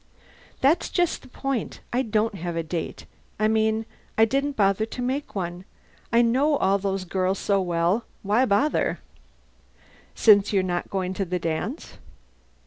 "That's just the point. I don't have a date. I mean, I didn't bother to make one. I know all those girls so well. Why bother?" "So you're not going to the dance?"